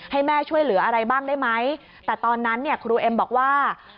ให้แม่ช่วยเหลืออะไรบ้างได้ไหมแต่ตอนนั้นเนี่ยครูเอ็มบอกว่า